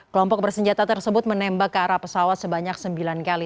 kelompok bersenjata tersebut menembak ke arah pesawat sebanyak sembilan kali